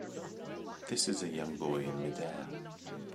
This is a young boy in midair.